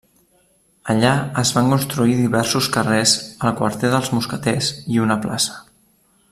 Allà es van construir diversos carrers, el quarter dels mosqueters i una plaça.